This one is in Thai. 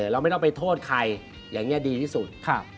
เราไม่ต้องไปโทษใครอย่างนี้ดีที่สุด